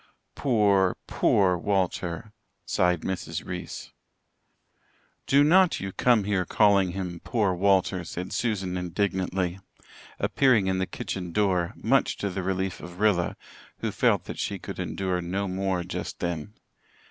"Pore, pore Walter," sighed Mrs. Reese. "Do not you come here calling him poor Walter," said Susan indignantly, appearing in the kitchen door, much to the relief of Rilla, who felt that she could endure no more just then.